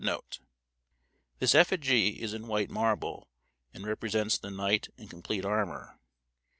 This effigy is in white marble, and represents the knight in complete armor.